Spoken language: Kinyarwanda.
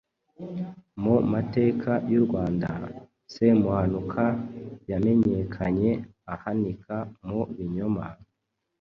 Mu mateka y’U Rwanda, Semuhanuka yamenyekanye ahanika mu binyoma,